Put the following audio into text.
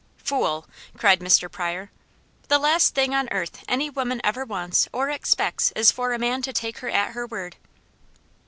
"Fool!" cried Mr. Pryor. "The last thing on earth any woman ever wants or expects is for a man to take her at her word."